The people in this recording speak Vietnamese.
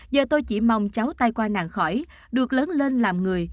giờ tôi chỉ mong cháu tai qua nạn khỏi được lớn lên làm người